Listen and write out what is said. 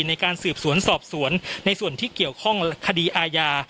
ในการสืบสวนสอบสวนในส่วนที่เกี่ยวข้องคดีอาญา